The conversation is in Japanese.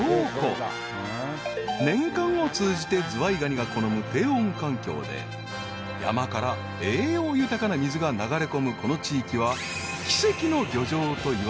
［年間を通じてズワイガニが好む低温環境で山から栄養豊かな水が流れ込むこの地域は奇跡の漁場といわれ］